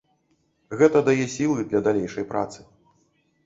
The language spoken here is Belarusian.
Гэта дае сілы для далейшай працы.